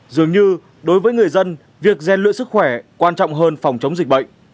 dường như đối với người dân việc gian luyện sức khỏe quan trọng hơn phòng chống dịch bệnh